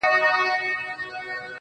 o اوس يې صرف غزل لولم، زما لونگ مړ دی.